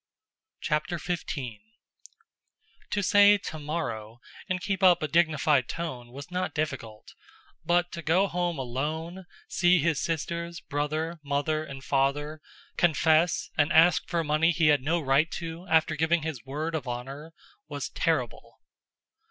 CHAPTER XV To say "tomorrow" and keep up a dignified tone was not difficult, but to go home alone, see his sisters, brother, mother, and father, confess and ask for money he had no right to after giving his word of honor, was terrible.